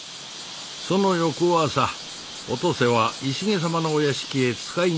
その翌朝お登勢は石毛様のお屋敷へ使いに出された。